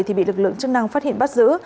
thì bị lực lượng chức năng phát hiện bắt giữ